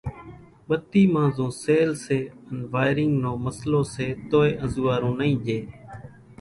ٻتي مان زو سيل سي ان وائيرينگ نو مسئلو سي توئي انزوئارون نئي ڄي۔